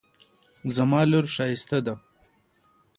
زما لور ښایسته ده